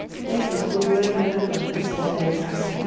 "Davies will row you over," I said.